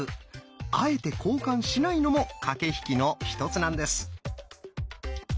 あえて交換しないのも駆け引きの一つなんです。